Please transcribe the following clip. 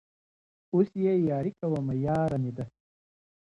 اوس يې ياري كومه ياره مـي ده